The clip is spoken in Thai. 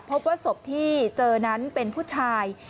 พบว่าศพที่เจอนั้นเป็นผู้ชาย